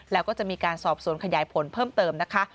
แล้วก็จะมีการสอบสวนขยายผลเพิ่มเติมนะคะ